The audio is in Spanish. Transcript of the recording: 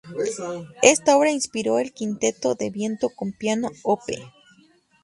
Esta obra inspiró el Quinteto de viento con piano, Op.